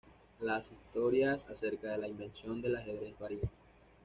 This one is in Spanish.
Las historias acerca de la invención del ajedrez varían.